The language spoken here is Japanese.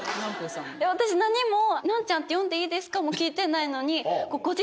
私何も「なんちゃんって呼んでいいですか？」も聞いてないのに。